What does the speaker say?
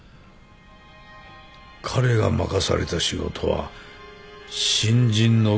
彼が任された仕事は新人の教育でした。